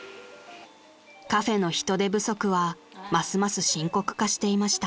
［カフェの人手不足はますます深刻化していました］